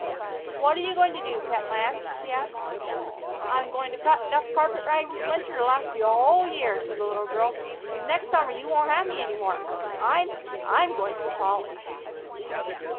"What are you going to do, pet lamb?" she asked. "I'm going to cut 'nough carpet rags this winter to last you a whole year," said the little girl, "'cause next summer you won't have me any more. I'm I'm going to college."